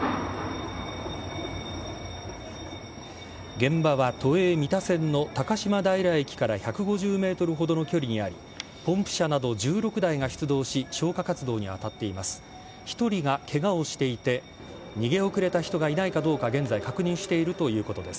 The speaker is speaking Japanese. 現場は都営三田線の高島平駅から１５０ｍほどの距離にありポンプ車など１６台が出動し消火活動に当たっています。